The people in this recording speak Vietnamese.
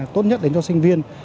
tốt nhất đến cho sinh viên